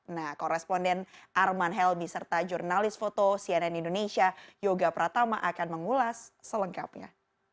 nah koresponden arman helbi serta jurnalis foto cnn indonesia juga pertama akan mengulas selengkapnya